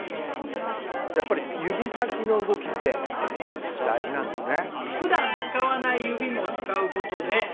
やっぱり指先の動きって大事なんですね。